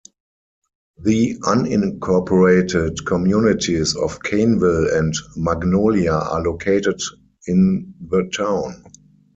The unincorporated communities of Cainville and Magnolia are located in the town.